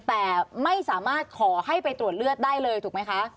แต่ไม่สามารถขอให้ไปตรวจเลือดได้เลยถูกไหมคะ